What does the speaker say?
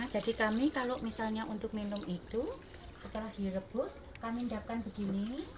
jadi kami kalau misalnya untuk minum itu setelah direbus kami endapkan begini